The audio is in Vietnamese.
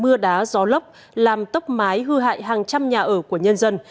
mưa đá gió lốc làm tốc mái hư hại hàng trăm nhà ở của nhân dân